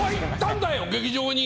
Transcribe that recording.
劇場に。